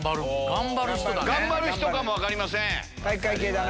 頑張る人かも分かりません。